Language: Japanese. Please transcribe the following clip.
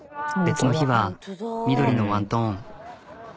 別の日は緑のワントーン。